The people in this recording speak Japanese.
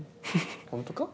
本当か？